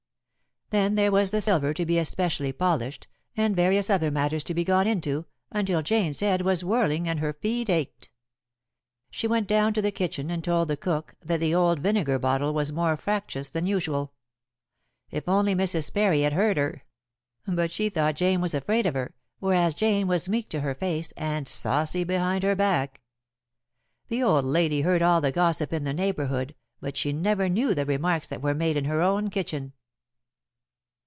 Then there was the silver to be especially polished, and various other matters to be gone into, until Jane's head was whirling and her feet ached. She went down to the kitchen and told the cook that the old vinegar bottle was more fractious than usual. If only Mrs. Parry had heard her! But she thought Jane was afraid of her, whereas Jane was meek to her face and saucy behind her back. The old lady heard all the gossip in the neighborhood, but she never knew the remarks that were made in her own kitchen.